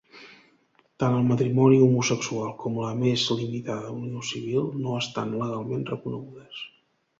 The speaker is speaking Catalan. Tant el matrimoni homosexual com la més limitada unió civil, no estan legalment reconegudes.